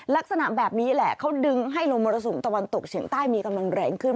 ลักษณะแบบนี้แหละเขาดึงให้ลมมรสุมตะวันตกเฉียงใต้มีกำลังแรงขึ้น